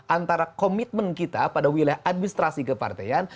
antara komitmen kita pada wilayah administrasi kepartean